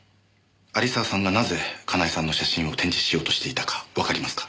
有沢さんがなぜ佳苗さんの写真を展示しようとしていたかわかりますか？